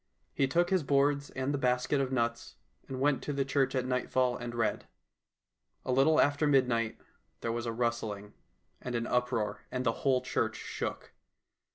He took his boards and the basket of nuts, and went to the church at nightfall and read. A little after midnight there was a rustling and an uproar, and the whole church shook.